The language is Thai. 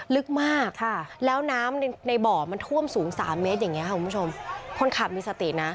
ลึกมากค่ะแล้วน้ำในในบ่อมันท่วมสูงสามเมตรอย่างเงี้ค่ะคุณผู้ชมคนขับมีสตินะ